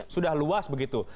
sudah luas begitu